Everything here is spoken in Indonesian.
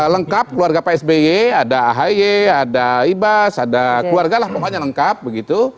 lengkap keluarga pak sby ada ahy ada ibas ada keluarga lah pokoknya lengkap begitu